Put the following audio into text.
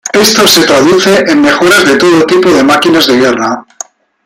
Esto se traduce en mejoras de todo tipo de máquinas de guerra.